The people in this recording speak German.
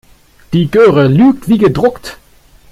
Die Göre lügt wie gedruckt.